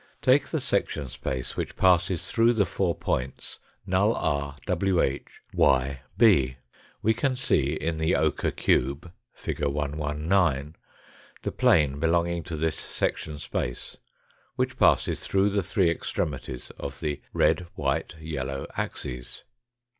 Take the section space which passes through the four points, null r, wh, y,b; we can see in the ochre cube (fig. 119) the plane belonging to this section space, which passes through the three extremities of the red, white, yellow axes.